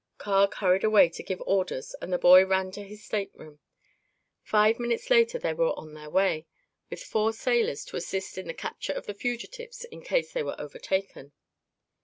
Carg hurried away to give orders and the boy ran to his stateroom. Five minutes later they were away, with four sailors to assist in the capture of the fugitives in case they were overtaken.